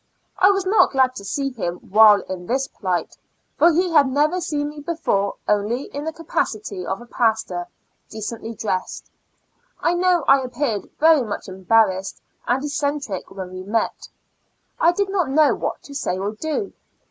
I was not glad to see him while in this plight, for he had never seen me before only in the capaci ty of a Pastor, decently dressed. I know I appeared very much embarrassed and eccentric when we met. I did not know what to say or do.